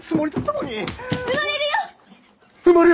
産まれるよ！